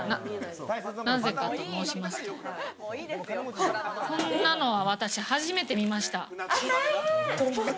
何故かと申しますと、こんなのは私、初めて見ました。